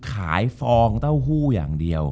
ฟองเต้าหู้อย่างเดียว